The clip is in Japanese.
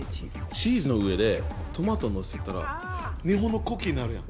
チーズの上でトマトのせたら日本の国旗になるやん。